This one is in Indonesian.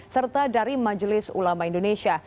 serta dari majelis ulama indonesia